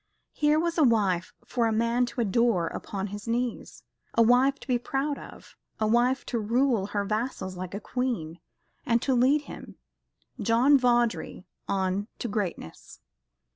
Here was a wife for a man to adore upon his knees, a wife to be proud of, a wife to rule her vassals like a queen, and to lead him, John Vawdrey, on to greatness.